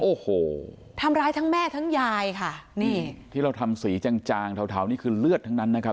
โอ้โหทำร้ายทั้งแม่ทั้งยายค่ะนี่ที่เราทำสีจางจางเถาเทานี่คือเลือดทั้งนั้นนะครับ